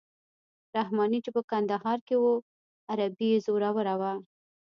رحماني چې په کندهار کې وو عربي یې زوروره وه.